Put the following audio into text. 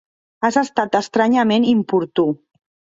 Has estat estranyament importú.